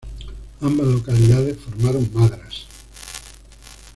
Ambas localidades formaron Madras.